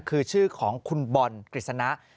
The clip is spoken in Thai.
คือชื่อของคุณบอลกฤษณะ